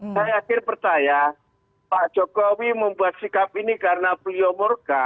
saya akhir percaya pak jokowi membuat sikap ini karena beliau murka